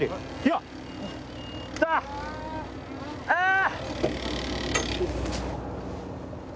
ああ！